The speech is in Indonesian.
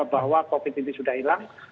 bahwa covid ini sudah hilang